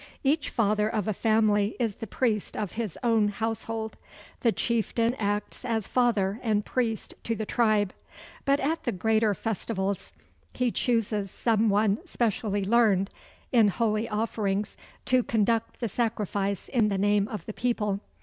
Each father of a family is the priest of his own household. The chieftain acts as father and priest to the tribe; but at the greater festivals he chooses some one specially learned in holy offerings to conduct the sacrifice in the name of the people.